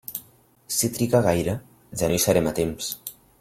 Si triga gaire ja no hi serem a temps.